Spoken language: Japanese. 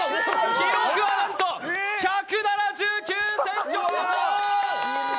記録はなんと１７９ｃｍ！